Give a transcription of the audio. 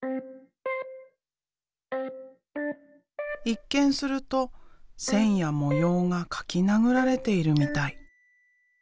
一見すると線や模様が書きなぐられているみたい。